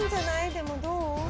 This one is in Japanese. でもどう？